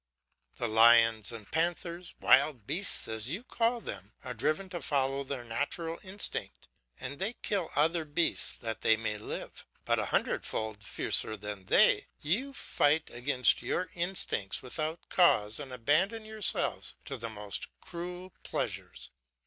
The lions and panthers, wild beasts as you call them, are driven to follow their natural instinct, and they kill other beasts that they may live. But, a hundredfold fiercer than they, you fight against your instincts without cause, and abandon yourselves to the most cruel pleasures.